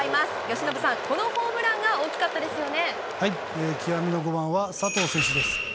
由伸さん、このホームランが大き極みの５番は佐藤選手です。